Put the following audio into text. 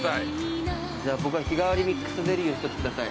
じゃあ僕は日替わりミックスゼリーを１つ下さい。